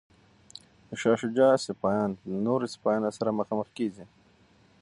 د شاه شجاع سپایان له نورو سپایانو سره مخامخ کیږي.